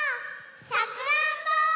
さくらんぼ！